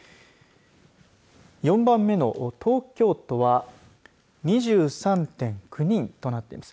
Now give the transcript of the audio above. ４番目の東京都は２３．９人となっています。